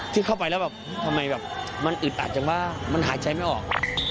ที่เข้าไปแล้วแบบทำไมแบบมันอึดอัดจังว่ามันหายใจไม่ออก